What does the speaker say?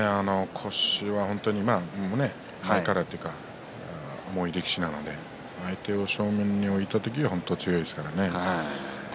腰は前から重い力士なので相手を正面に置いた時には本当に強いですからね。